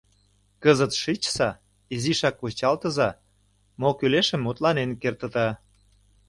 Кызыт шичса, изишак вучалтыза, мо кӱлешым мутланен кертыда.